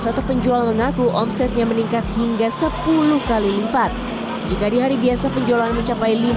satu penjual mengaku omsetnya meningkat hingga sepuluh kali lipat jika di hari biasa penjualan mencapai